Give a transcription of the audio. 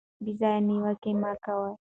بې ځایه نیوکې مه کوئ.